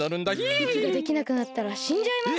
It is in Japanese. いきができなくなったらしんじゃいます。